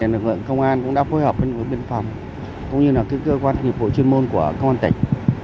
lực lượng công an cũng đã phối hợp với những biên phòng cũng như là các cơ quan nghiệp vụ chuyên môn của công an tỉnh